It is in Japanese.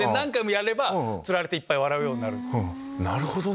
なるほどね。